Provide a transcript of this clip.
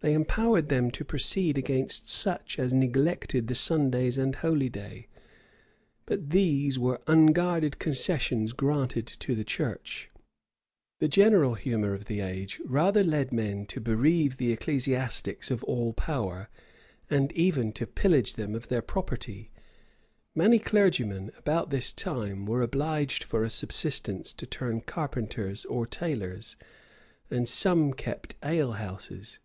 They empowered them to proceed against such as neglected the Sundays and holy day.[] But these were unguarded concessions granted to the church: the general humor of the age rather led men to bereave the ecclesiastics of all power, and even to pillage them of their property: many clergymen, about this time, were obliged for a subsistence to turn carpenters or tailors, and some kept alehouses.